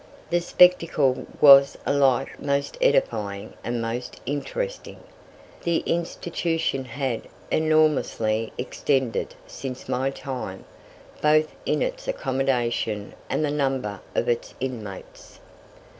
The spectacle was alike most edifying and most interesting. The institution had enormously extended since my time, both in its accommodation and the number of its inmates.